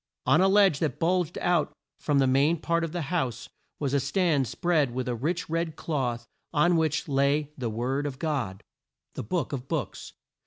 On a ledge that bulged out from the main part of the house, was a stand spread with a rich red cloth on which lay the Word of God, the Book of Books.